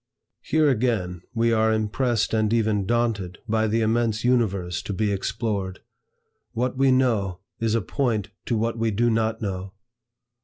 Here again we are impressed and even daunted by the immense Universe to be explored. "What we know, is a point to what we do not know."